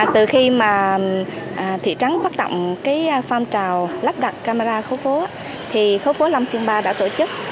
từ khi thị trấn phát động pham trào lắp đặt camera khối phố khối phố long xuyên ba đã tổ chức